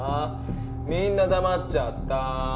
みんな黙っちゃった。